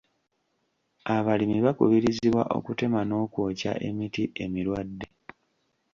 Abalimi bakubirizibwa okutema n'okwookya emiti emirwadde.